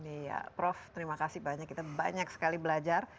iya prof terima kasih banyak kita banyak sekali belajar